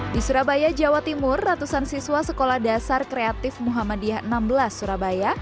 di surabaya jawa timur ratusan siswa sekolah dasar kreatif muhammadiyah enam belas surabaya